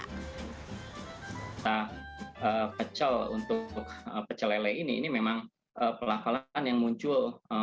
kata pecel untuk pecelele ini memang pelakalan yang muncul